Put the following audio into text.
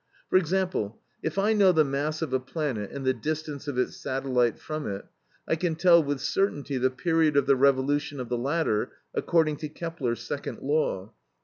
For example, if I know the mass of a planet and the distance of its satellite from it, I can tell with certainty the period of the revolution of the latter according to Kepler's second law.